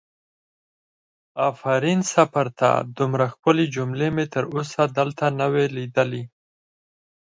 آفرین سه پر تا دومره ښکلې جملې مې تر اوسه دلته نه وي لیدلې!